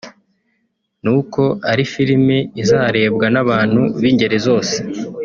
ni uko ari filimi izarebwa n’abantu b’ingeri zose